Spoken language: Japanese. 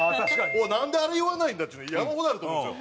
おいなんであれ言わないんだっていうの山ほどあると思うんですよ。